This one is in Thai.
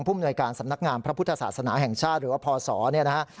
มนวยการสำนักงามพระพุทธศาสนาแห่งชาติหรือว่าพศเนี่ยนะฮะ